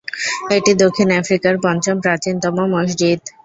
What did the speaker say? এটি দক্ষিণ আফ্রিকার পঞ্চম প্রাচীনতম মসজিদ।